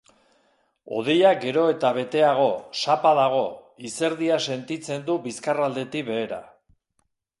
Hodeiak gero eta beteago, sapa dago, izerdia sentitzen du bizkarraldetik behera.